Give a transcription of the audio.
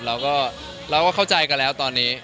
เราก็เข้าใจกันแล้วตอนนี้